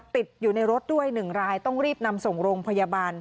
ติดอยู่ในรถด้วย๑รายต้องรีบนำส่งโรงพยาบาล